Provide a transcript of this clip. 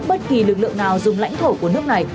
bất kỳ lực lượng nào dùng lãnh thổ của nước này